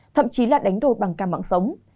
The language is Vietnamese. thậm chí là đánh đồ bằng cà mẵng sống